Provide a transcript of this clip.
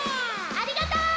ありがとう！